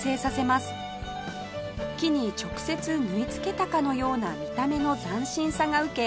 木に直接縫い付けたかのような見た目の斬新さが受け